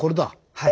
はい。